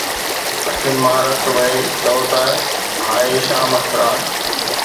اکين مان رت وهي چئو ته ”هاءِ شام فراق